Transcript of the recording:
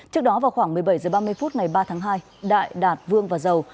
trước đó vào khoảng một mươi bảy h ba mươi phút ngày ba tháng hai đại đạt vương và giàu